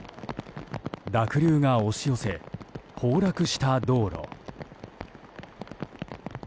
濁流が押し寄せ崩落した道路。